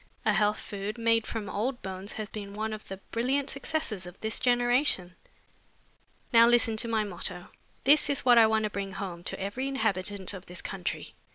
A health food made from old bones has been one of the brilliant successes of this generation. Now listen to my motto. This is what I want to bring home to every inhabitant of this country.